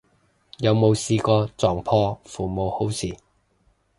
有冇試過撞破父母好事